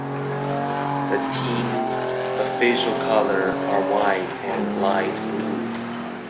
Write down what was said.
The team's official colors are white and light blue.